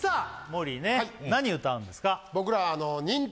モリーね何歌うんですか？